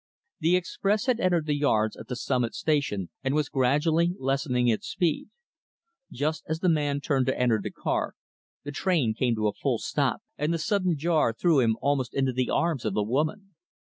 The Express had entered the yards at the summit station, and was gradually lessening its speed. Just as the man turned to enter the car, the train came to a full stop, and the sudden jar threw him almost into the arms of the woman.